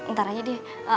ntar aja deh